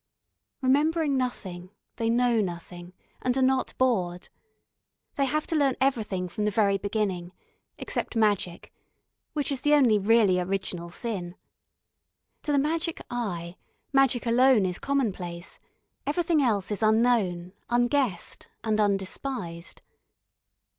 Remembering nothing, they know nothing, and are not bored. They have to learn everything from the very beginning, except magic, which is the only really original sin. To the magic eye, magic alone is commonplace, everything else is unknown, unguessed, and undespised.